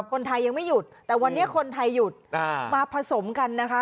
คนไทยยังไม่หยุดแต่วันนี้คนไทยหยุดมาผสมกันนะคะ